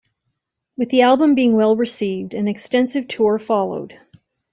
With the album being well received, an extensive tour followed.